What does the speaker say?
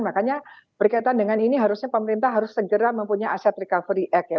makanya berkaitan dengan ini harusnya pemerintah harus segera mempunyai aset recovery act ya